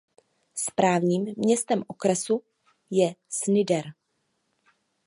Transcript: Správním městem okresu je Snyder.